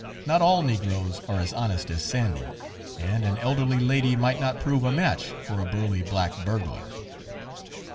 Not all negroes are as honest as Sandy, and an elderly lady might not prove a match for a burly black burglar."